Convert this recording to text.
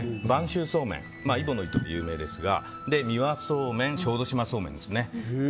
播州そうめん揖保乃糸って有名ですが三輪そうめん小豆島そうめんです。